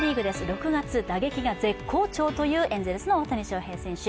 ６月打撃が絶好調というエンゼルスの大谷翔平選手。